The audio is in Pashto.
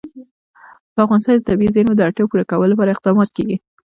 په افغانستان کې د طبیعي زیرمې د اړتیاوو پوره کولو لپاره اقدامات کېږي.